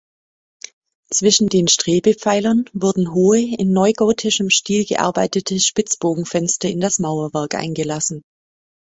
Zwischen den Strebepfeilern wurden hohe, in neugotischem Stil gearbeitete Spitzbogenfenster in das Mauerwerk eingelassen.